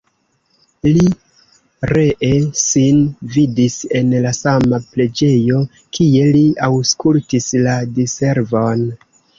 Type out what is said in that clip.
Li ree sin vidis en la sama preĝejo, kie li aŭskultis la diservon.